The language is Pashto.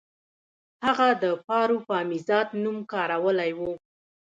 هغه د پاروپامیزاد نوم کارولی و